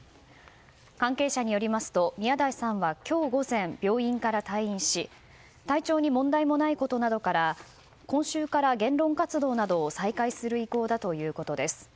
関係者によりますと、宮台さんは今日午前、病院から退院し体調に問題もないことなどから今週から言論活動などを再開する意向だということです。